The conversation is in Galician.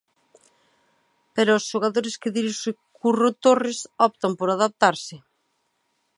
Pero os xogadores que dirixe Curro Torres optan por adaptarse.